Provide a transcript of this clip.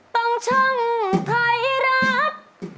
ตรงช่องไทยรัฐ